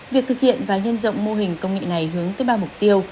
việc thực hiện và nhân rộng mô hình công nghệ này hướng tới ba mục tiêu